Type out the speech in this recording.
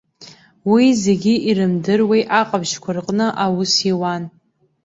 Уи зегьы ирымдыруеи, аҟаԥшьқәа рҟны аус иуан.